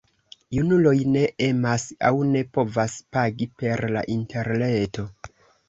Junuloj ne emas aŭ ne povas pagi per la interreto.